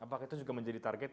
apakah itu juga menjadi target